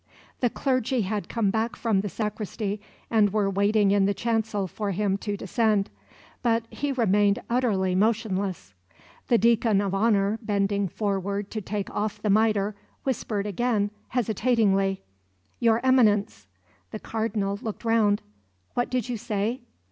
The clergy had come back from the sacristy, and were waiting in the chancel for him to descend; but he remained utterly motionless. The deacon of honour, bending forward to take off the mitre, whispered again, hesitatingly: "Your Eminence!" The Cardinal looked round. "What did you say?"